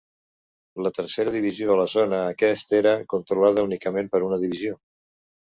La tercera divisió a la zona aquest era controlada únicament per una divisió.